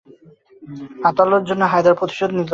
আতাউল্লাহর জন্য হায়দার প্রতিশোধ নিল।